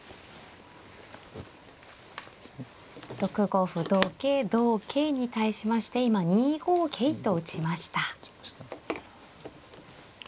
６五歩同桂同桂に対しまして今２五桂と打ちました。